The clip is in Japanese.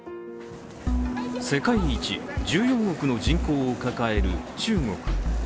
世界一１４億の人口を抱える中国。